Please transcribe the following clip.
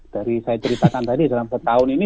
dari saya ceritakan tadi dalam setahun ini